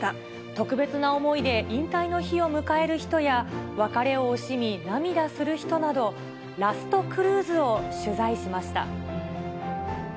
特別な思いで引退の日を迎える人や、別れを惜しみ、涙する人など、ラストクルーズを取材しました。